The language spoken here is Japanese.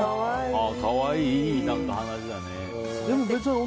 可愛い、いい話だね。